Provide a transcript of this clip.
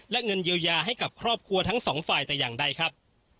และเงินเยียวยาให้กับครอบครัวทั้งสองฝ่ายแต่อย่างใดครับ